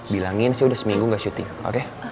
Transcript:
bilangin saya udah seminggu gak syuting oke